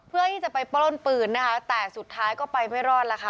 เพื่อที่จะไปปล้นปืนนะคะแต่สุดท้ายก็ไปไม่รอดล่ะค่ะ